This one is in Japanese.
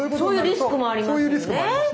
そういうリスクもありますよね。